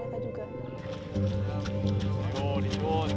latihan di aik dan lazi